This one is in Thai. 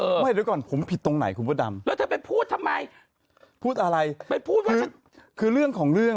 เร็วนี้กูไม่ได้คิดพิมพ์เลยหนุ่ม